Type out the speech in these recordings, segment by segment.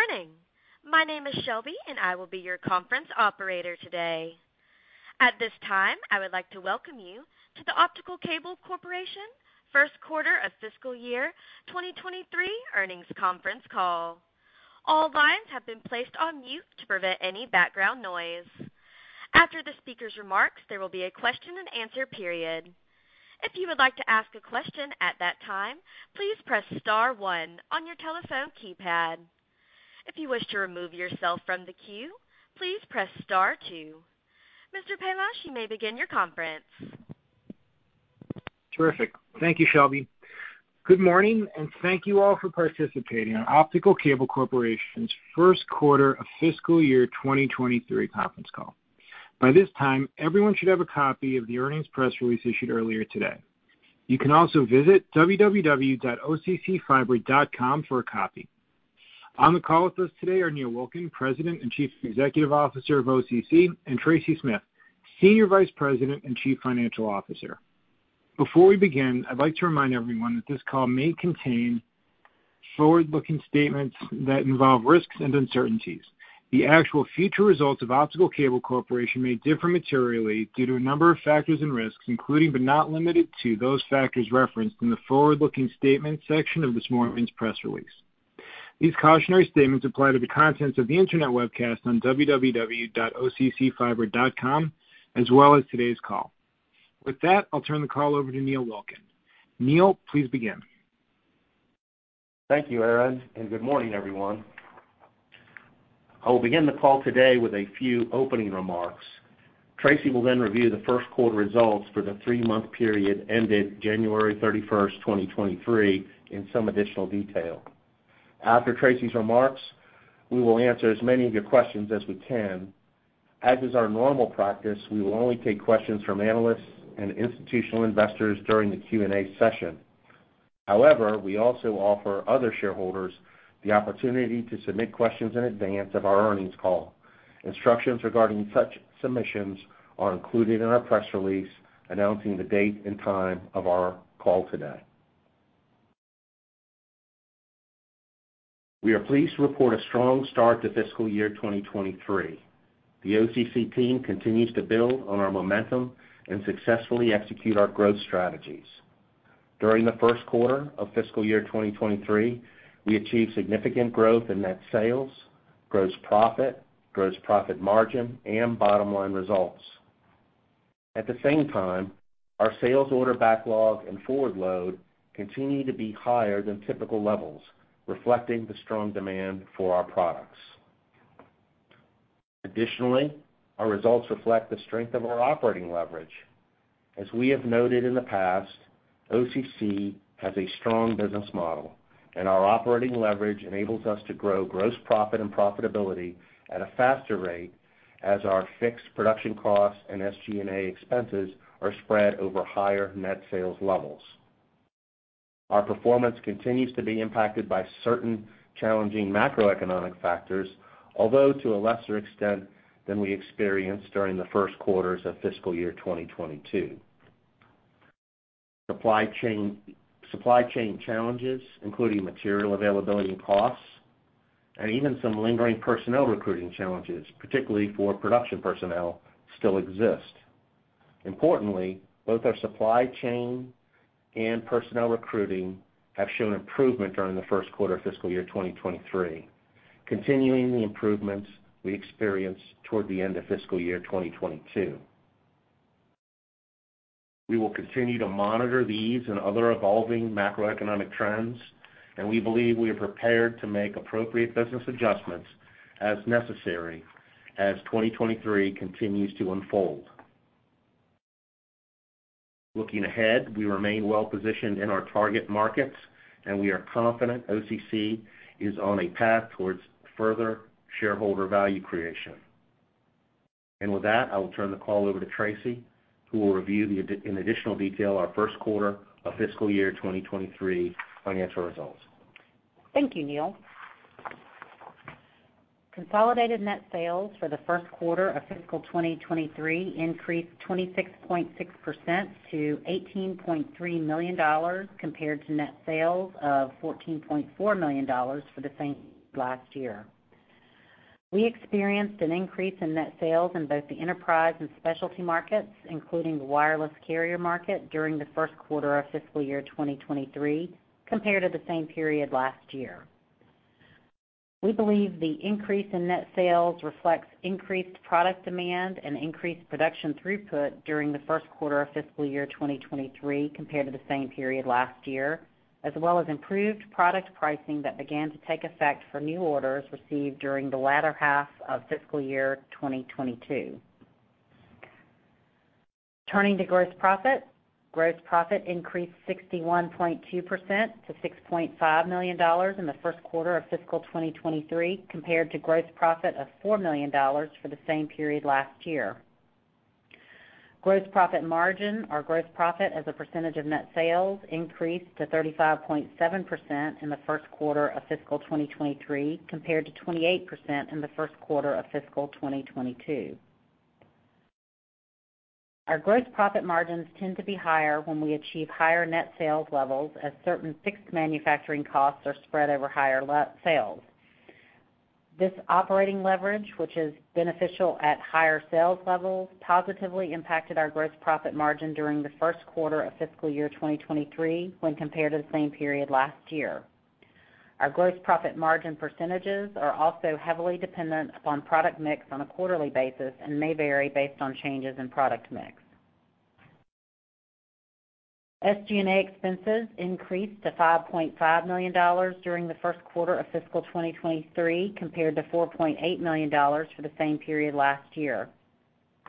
Good morning. My name is Shelby, and I will be your conference operator today. At this time, I would like to welcome you to the Optical Cable Corporation first quarter of fiscal year 2023 earnings conference call. All lines have been placed on mute to prevent any background noise. After the speaker's remarks, there will be a question-and-answer period. If you would like to ask a question at that time, please press star one on your telephone keypad. If you wish to remove yourself from the queue, please press star two. Mr. Palash, you may begin your conference. Terrific. Thank you, Shelby. Good morning, thank you all for participating in Optical Cable Corporation's first quarter of fiscal year 2023 conference call. By this time, everyone should have a copy of the earnings press release issued earlier today. You can also visit www.occfiber.com for a copy. On the call with us today are Neil Wilkin, President and Chief Executive Officer of OCC, and Tracy Smith, Senior Vice President and Chief Financial Officer. Before we begin, I'd like to remind everyone that this call may contain forward-looking statements that involve risks and uncertainties. The actual future results of Optical Cable Corporation may differ materially due to a number of factors and risks, including but not limited to those factors referenced in the forward-looking statements section of this morning's press release. These cautionary statements apply to the contents of the Internet webcast on www.occfiber.com, as well as today's call. With that, I'll turn the call over to Neil Wilkin. Neil, please begin. Thank you, Aaron, good morning, everyone. I will begin the call today with a few opening remarks. Tracy will then review the first quarter results for the three-month period ended January 31st, 2023 in some additional detail. After Tracy's remarks, we will answer as many of your questions as we can. As is our normal practice, we will only take questions from analysts and institutional investors during the Q&A session. However, we also offer other shareholders the opportunity to submit questions in advance of our earnings call. Instructions regarding such submissions are included in our press release announcing the date and time of our call today. We are pleased to report a strong start to fiscal year 2023. The OCC team continues to build on our momentum and successfully execute our growth strategies. During the first quarter of fiscal year 2023, we achieved significant growth in net sales, gross profit, gross profit margin, and bottom-line results. At the same time, our sales order backlog and forward load continue to be higher than typical levels, reflecting the strong demand for our products. Additionally, our results reflect the strength of our operating leverage. As we have noted in the past, OCC has a strong business model, and our operating leverage enables us to grow gross profit and profitability at a faster rate as our fixed production costs and SG&A expenses are spread over higher net sales levels. Our performance continues to be impacted by certain challenging macroeconomic factors, although to a lesser extent than we experienced during the first quarters of fiscal year 2022. Supply chain challenges, including material availability and costs, and even some lingering personnel recruiting challenges, particularly for production personnel, still exist. Importantly, both our supply chain and personnel recruiting have shown improvement during the first quarter of fiscal year 2023, continuing the improvements we experienced toward the end of fiscal year 2022. We will continue to monitor these and other evolving macroeconomic trends, and we believe we are prepared to make appropriate business adjustments as necessary as 2023 continues to unfold. Looking ahead, we remain well positioned in our target markets, and we are confident OCC is on a path towards further shareholder value creation. With that, I will turn the call over to Tracy, who will review in additional detail our first quarter of fiscal year 2023 financial results. Thank you, Neil. Consolidated net sales for the first quarter of fiscal 2023 increased 26.6% to $18.3 million compared to net sales of $14.4 million for the same last year. We experienced an increase in net sales in both the enterprise and specialty markets, including the wireless carrier market, during the first quarter of fiscal year 2023 compared to the same period last year. We believe the increase in net sales reflects increased product demand and increased production throughput during the first quarter of fiscal year 2023 compared to the same period last year, as well as improved product pricing that began to take effect for new orders received during the latter half of fiscal year 2022. Turning to gross profit. Gross profit increased 61.2% to $6.5 million in the first quarter of fiscal 2023 compared to gross profit of $4 million for the same period last year. Gross profit margin, our gross profit as a percentage of net sales, increased to 35.7% in the first quarter of fiscal 2023 compared to 28% in the first quarter of fiscal 2022. Our gross profit margins tend to be higher when we achieve higher net sales levels as certain fixed manufacturing costs are spread over higher sales. This operating leverage, which is beneficial at higher sales levels, positively impacted our gross profit margin during the first quarter of fiscal year 2023 when compared to the same period last year. Our gross profit margin percentages are also heavily dependent upon product mix on a quarterly basis and may vary based on changes in product mix. SG&A expenses increased to $5.5 million during the first quarter of fiscal 2023, compared to $4.8 million for the same period last year.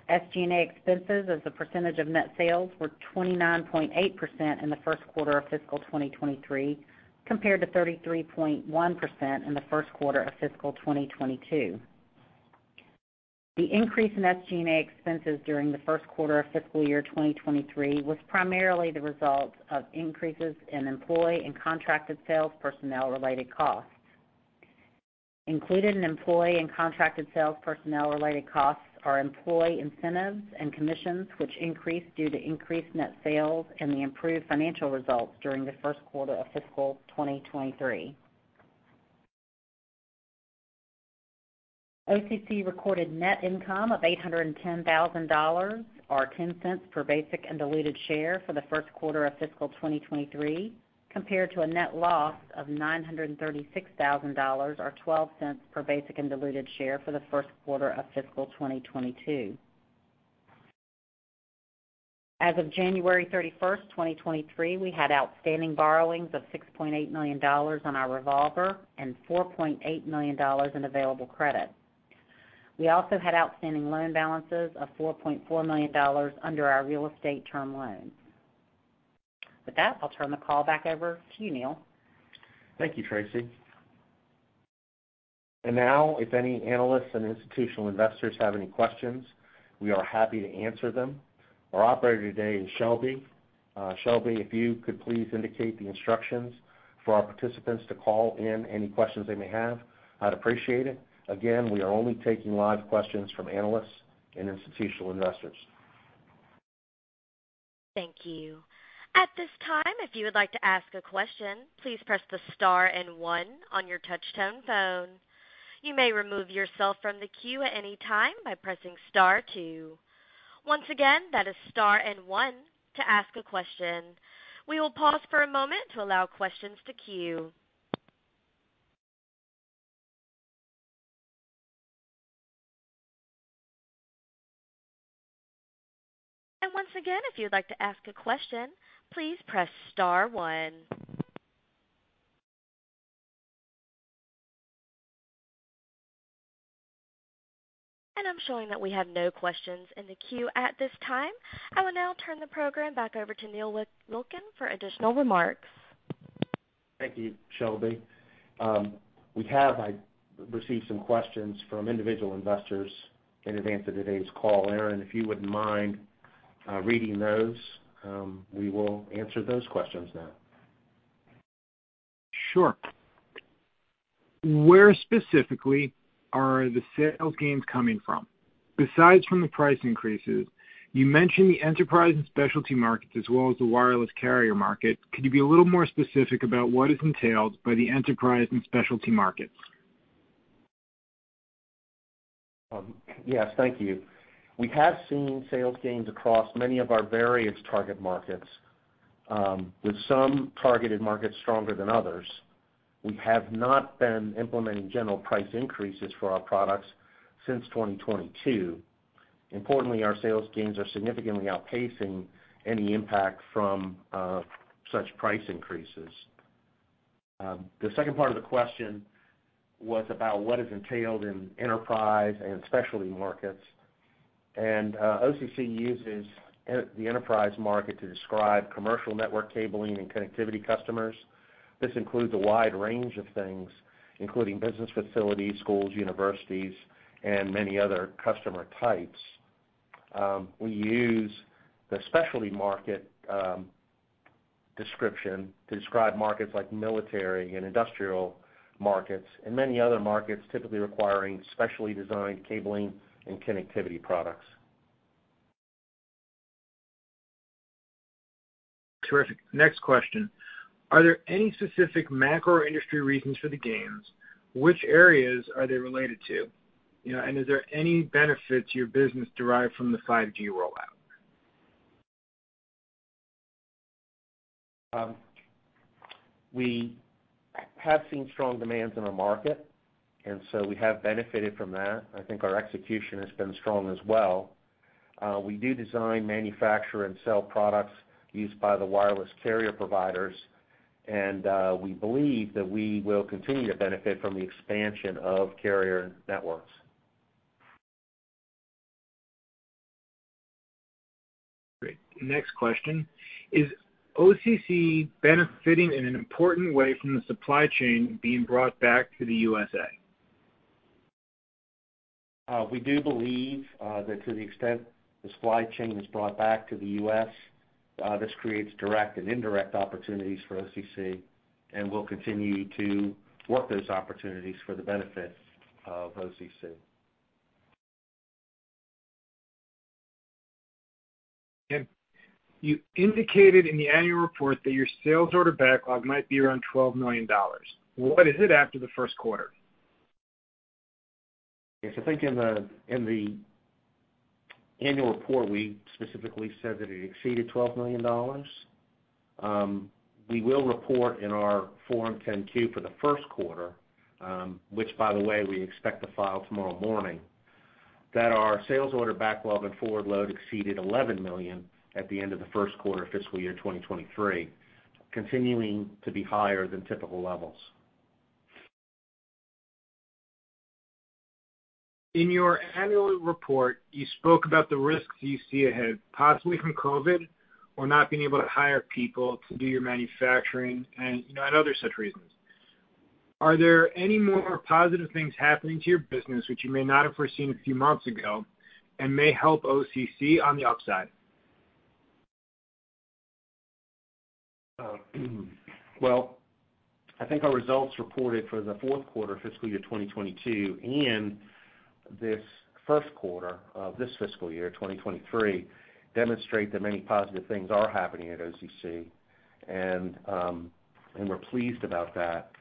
SG&A expenses as a percentage of net sales were 29.8% in the first quarter of fiscal 2023, compared to 33.1% in the first quarter of fiscal 2022. The increase in SG&A expenses during the first quarter of fiscal year 2023 was primarily the result of increases in employee and contracted sales personnel-related costs. Included in employee and contracted sales personnel-related costs are employee incentives and commissions, which increased due to increased net sales and the improved financial results during the first quarter of fiscal 2023. OCC recorded net income of $810,000, or $0.10 per basic and diluted share for the first quarter of fiscal 2023, compared to a net loss of $936,000, or $0.12 per basic and diluted share for the first quarter of fiscal 2022. As of January 31, 2023, we had outstanding borrowings of $6.8 million on our revolver and $4.8 million in available credit. We also had outstanding loan balances of $4.4 million under our real estate term loan. With that, I'll turn the call back over to you, Neil. Thank you, Tracy. Now, if any analysts and institutional investors have any questions, we are happy to answer them. Our operator today is Shelby. Shelby, if you could please indicate the instructions for our participants to call in any questions they may have, I'd appreciate it. Again, we are only taking live questions from analysts and institutional investors. Thank you. At this time, if you would like to ask a question, please press the star and one on your touch tone phone. You may remove yourself from the queue at any time by pressing star two. Once again, that is star and one to ask a question. We will pause for a moment to allow questions to queue. Once again, if you'd like to ask a question, please press star one. I'm showing that we have no questions in the queue at this time. I will now turn the program back over to Neil Wilkin for additional remarks. Thank you, Shelby. We have received some questions from individual investors in advance of today's call. Aaron, if you wouldn't mind, reading those, we will answer those questions now. Sure. Where specifically are the sales gains coming from? Besides from the price increases, you mentioned the enterprise and specialty markets as well as the wireless carrier market. Could you be a little more specific about what is entailed by the enterprise and specialty markets? Yes, thank you. We have seen sales gains across many of our various target markets, with some targeted markets stronger than others. We have not been implementing general price increases for our products since 2022. Importantly, our sales gains are significantly outpacing any impact from such price increases. The second part of the question was about what is entailed in enterprise and specialty markets. OCC uses the enterprise market to describe commercial network cabling and connectivity customers. This includes a wide range of things, including business facilities, schools, universities, and many other customer types. We use the specialty markets description to describe markets like military and industrial markets, and many other markets typically requiring specially designed cabling and connectivity products. Terrific. Next question. Are there any specific macro industry reasons for the gains? Which areas are they related to? You know, is there any benefit to your business derived from the 5G rollout? We have seen strong demands in the market. We have benefited from that. I think our execution has been strong as well. We do design, manufacture, and sell products used by the wireless carrier providers. We believe that we will continue to benefit from the expansion of carrier networks. Great. Next question. Is OCC benefiting in an important way from the supply chain being brought back to the USA? We do believe that to the extent the supply chain is brought back to the U.S. This creates direct and indirect opportunities for OCC, we'll continue to work those opportunities for the benefit of OCC. You indicated in the annual report that your sales order backlog might be around $12 million. What is it after the first quarter? Yes, I think in the, in the annual report, we specifically said that it exceeded $12 million. We will report in our Form 10-Q for the first quarter, which by the way, we expect to file tomorrow morning, that our sales order backlog and forward load exceeded $11 million at the end of the first quarter of fiscal year 2023, continuing to be higher than typical levels. In your annual report, you spoke about the risks you see ahead, possibly from COVID or not being able to hire people to do your manufacturing and, you know, and other such reasons. Are there any more positive things happening to your business which you may not have foreseen a few months ago and may help OCC on the upside? Well, I think our results reported for the fourth quarter of fiscal year 2022 and this first quarter of this fiscal year, 2023, demonstrate that many positive things are happening at OCC, and we're pleased about that.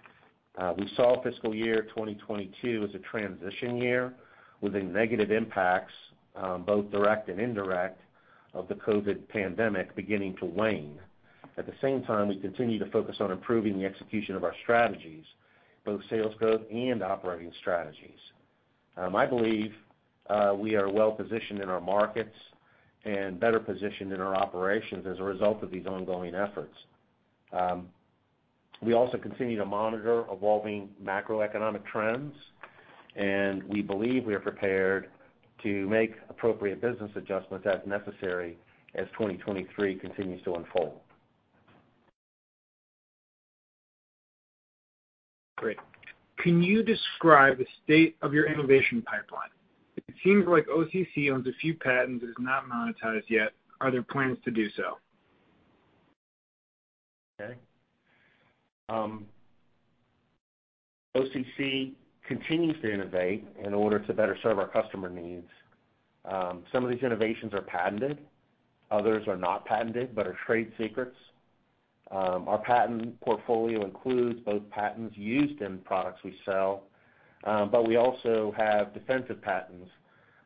We saw fiscal year 2022 as a transition year, with the negative impacts, both direct and indirect, of the COVID pandemic beginning to wane. At the same time, we continue to focus on improving the execution of our strategies, both sales growth and operating strategies. I believe we are well-positioned in our markets and better positioned in our operations as a result of these ongoing efforts. We also continue to monitor evolving macroeconomic trends, and we believe we are prepared to make appropriate business adjustments as necessary as 2023 continues to unfold. Great. Can you describe the state of your innovation pipeline? It seems like OCC owns a few patents it has not monetized yet. Are there plans to do so? Okay. OCC continues to innovate in order to better serve our customer needs. Some of these innovations are patented, others are not patented, but are trade secrets. Our patent portfolio includes both patents used in products we sell, but we also have defensive patents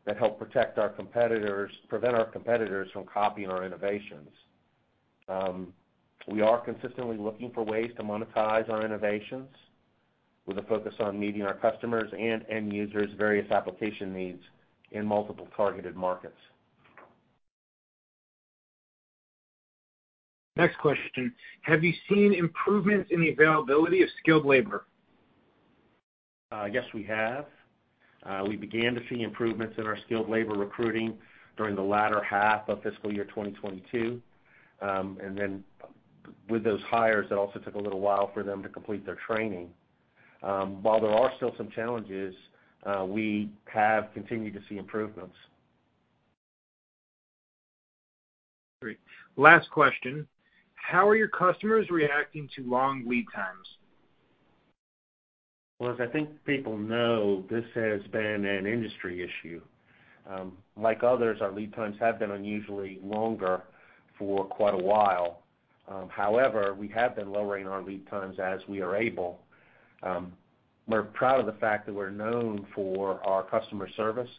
that help prevent our competitors from copying our innovations. We are consistently looking for ways to monetize our innovations with a focus on meeting our customers' and end users' various application needs in multiple targeted markets. Next question. Have you seen improvements in the availability of skilled labor? Yes, we have. We began to see improvements in our skilled labor recruiting during the latter half of fiscal year 2022. With those hires, it also took a little while for them to complete their training. While there are still some challenges, we have continued to see improvements. Great. Last question. How are your customers reacting to long lead times? Well, as I think people know, this has been an industry issue. Like others, our lead times have been unusually longer for quite a while. However, we have been lowering our lead times as we are able. We're proud of the fact that we're known for our customer service.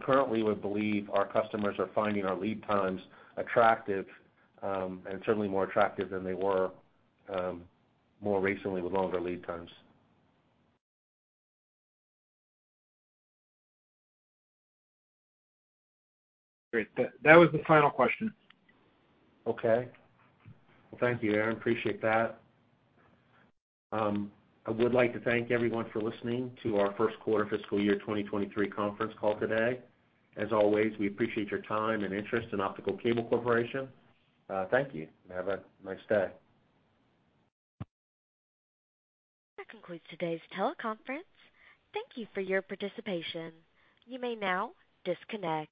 Currently, we believe our customers are finding our lead times attractive, and certainly more attractive than they were, more recently with longer lead times. Great. That was the final question. Okay. Thank you, Aaron. Appreciate that. I would like to thank everyone for listening to our first quarter fiscal year 2023 conference call today. As always, we appreciate your time and interest in Optical Cable Corporation. Thank you, and have a nice day. That concludes today's teleconference. Thank you for your participation. You may now disconnect.